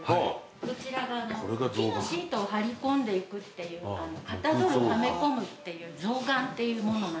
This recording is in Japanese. こちらが木のシートを張り込んでいくっていうかたどるはめ込むっていう象嵌っていうものなんですよ。